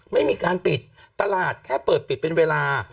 ไม่มีการปิดตลาดแค่เปิดปิดเป็นเวลา